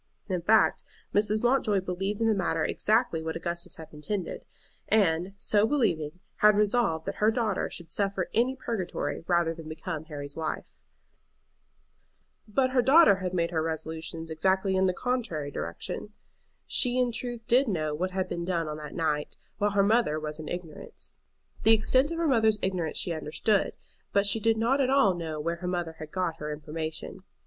In fact, Mrs. Mountjoy believed in the matter exactly what Augustus had intended, and, so believing, had resolved that her daughter should suffer any purgatory rather than become Harry's wife. But her daughter made her resolutions exactly in the contrary direction. She in truth did know what had been done on that night, while her mother was in ignorance. The extent of her mother's ignorance she understood, but she did not at all know where her mother had got her information.